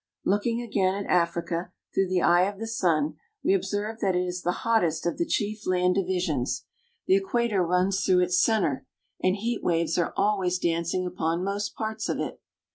Looking again at Africa, through the eye of the sun, we observe that it is the hottest of the chief land divisions. The Equator runs through its center, and heat waves are always dancing upon most parts of it.